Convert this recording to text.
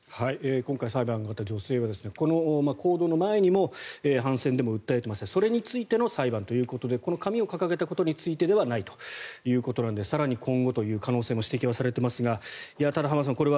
今回、裁判のあった女性はこの行動の前にも反戦デモを訴えていましてそれについての裁判ということでこの紙を掲げたことについてではないということなので更に今後という可能性は指摘されていますがただ、浜田さん